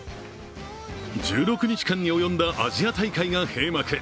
１６日間に及んだアジア大会が閉幕。